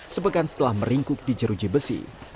sepekan setelah meringkuk di jeruji besi